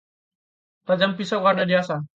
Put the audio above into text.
Tajam pisau karena diasah